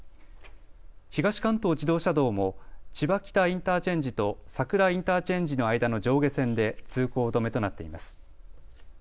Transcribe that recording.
東関東自動車道も千葉北インターチェンジと佐倉インターチェンジの間の上下線で通行止めとなっています。